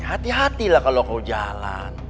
hati hatilah kalau kau jalan